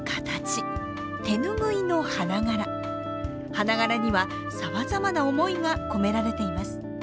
花柄にはさまざまな思いが込められています。